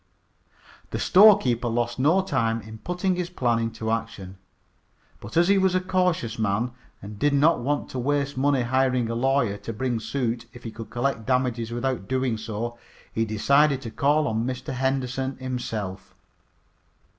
The storekeeper lost no time in putting his plan into action. But as he was a cautious man, and did not want to waste money hiring a lawyer to bring suit if he could collect damages without doing so, he decided to call on Mr. Henderson himself.